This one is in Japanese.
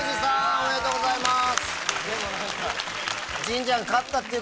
おめでとうございます。